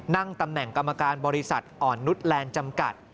นั่งตำแหน่งกรรมการบริษัทอ่อนนุษย์แลนด์จำกัด